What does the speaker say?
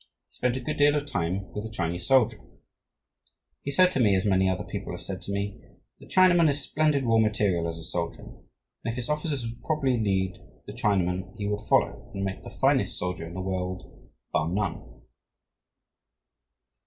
He spent a good deal of time with the Chinese soldier. He said to me, as many other people have said to me, 'The Chinaman is splendid raw material as a soldier, and, if his officers would properly lead the Chinaman, he would follow and make the finest soldier in the world, bar none.'